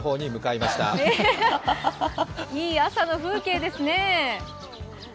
いい朝の風景ですね。